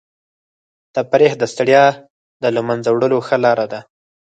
تفریح د ستړیا د له منځه وړلو ښه لاره ده.